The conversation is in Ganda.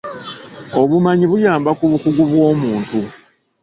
Obumanyi buyamba ku bukugu bw'omuntu.